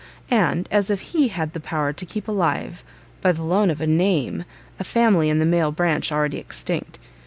and as if he had power to keep alive, by the loan of a name, a family in the male branch already extinct.